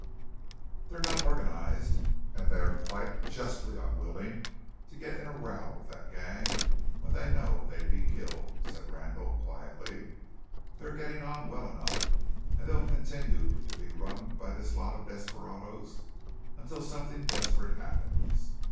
"They're not organized and they are quite justly unwilling to get in a row with that gang when they know they'd be killed," stated Randall quietly. "They're getting on 'well enough,' and they'll continue to be run by this lot of desperadoes until something desperate happens.